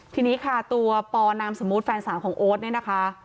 ทีนี้ค่ะตัวปนสมูทแฟนสามของโอ๊ตเนี่ยนะคะ